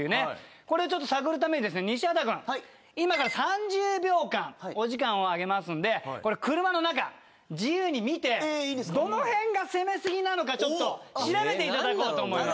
これ探るためにですね西畑君今から３０秒間お時間をあげますんで車の中自由に見てどの辺が攻めすぎなのか調べていただこうと思います。